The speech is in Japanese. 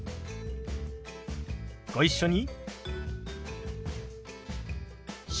ご一緒に。